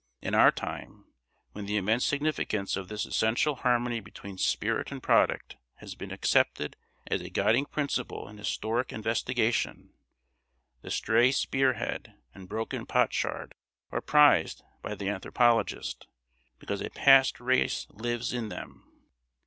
In our time, when the immense significance of this essential harmony between spirit and product has been accepted as a guiding principle in historic investigation, the stray spear head and broken potsherd are prized by the anthropologist, because a past race lives in them.